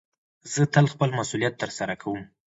زه تل خپل مسئولیت ترسره کوم.